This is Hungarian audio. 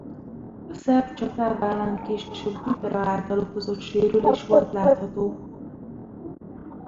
A szerb csatár vállán később vipera által okozott sérülés volt látható.